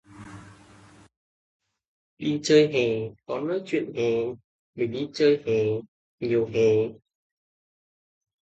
Đi chơi hè!, chuyện khó hè! Mình đi chơi hè! Nhiều hè!